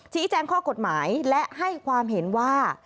แจ้งข้อกฎหมายและให้ความเห็นว่า